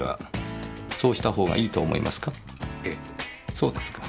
そうですか。